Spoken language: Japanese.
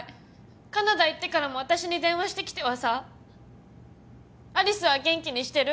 カナダ行ってからも私に電話してきてはさ有栖は元気にしてる？